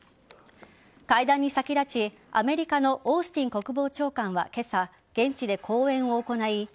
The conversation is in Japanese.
会談に先立ちアメリカのオースティン国防長官は今朝現地で講演を行い